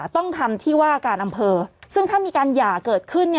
ต้องทำที่ว่าการอำเภอซึ่งถ้ามีการหย่าเกิดขึ้น